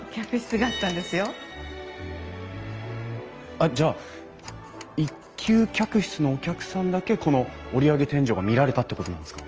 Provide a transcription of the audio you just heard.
あっじゃあ１級客室のお客さんだけこの折り上げ天井が見られたってことなんですか？